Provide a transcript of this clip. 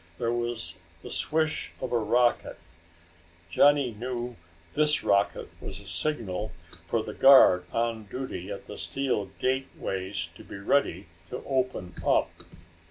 There was the swish of a rocket. Johnny knew this rocket was a signal for the guard on duty at the steel gateways to be ready to open up.